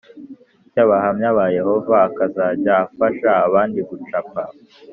cy Abahamya ba Yehova akazajya afasha abandi gucapa